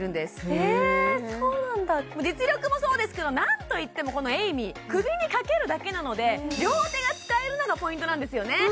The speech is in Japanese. へそうなんだ実力もそうですけどなんといってもこのエイミー首にかけるだけなので両手が使えるのがポイントなんですよね